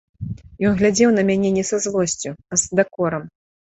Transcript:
Ён глядзеў на мяне не са злосцю, а з дакорам.